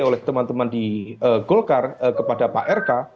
oleh teman teman di golkar kepada pak rk